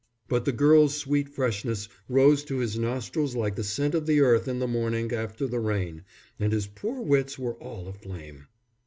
But the girl's sweet freshness rose to his nostrils like the scent of the earth in the morning after the rain, and his poor wits were all aflame.